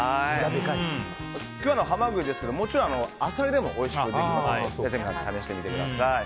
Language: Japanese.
今日のハマグリですがもちろんアサリでもおいしくできますのでぜひ試してみてください。